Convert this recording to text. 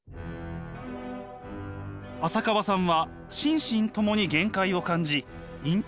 浅川さんは心身ともに限界を感じ引退を決意します。